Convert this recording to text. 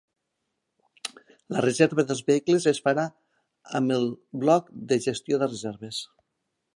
La reserva dels vehicles es farà amb el bloc de gestió de reserves.